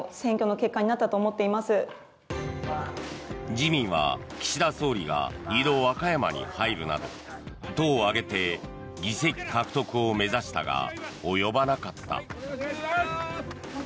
自民は岸田総理が２度和歌山に入るなど党を挙げて議席獲得を目指したが及ばなかった。